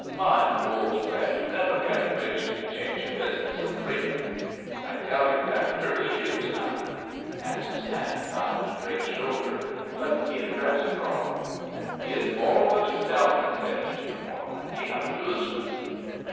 "Mine old friend, you never get rich if you change your business so frequent. I tell you that thirty years now." Max's hand found Drake's shoulder, but he addressed Brock. "He is all what you tell me," said he to the foreman. "He have joodgement."